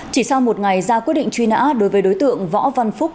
chỉ sau một ngày ra quyết định truy nã đối với đối tượng võ văn phúc